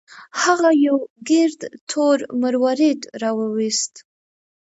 هغه یو ګرد تور مروارید راوویست.